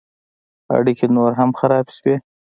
اړیکې نور هم خراب شوې.